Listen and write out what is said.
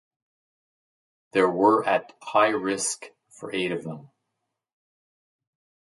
There were at high risk for eight of them.